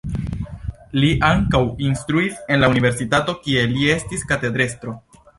Li ankaŭ instruis en la universitato, kie li estis katedrestro.